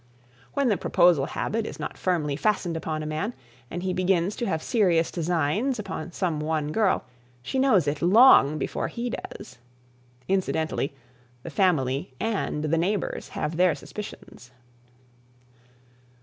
When the proposal habit is not firmly fastened upon a man, and he begins to have serious designs upon some one girl, she knows it long before he does. Incidentally, the family and the neighbours have their suspicions.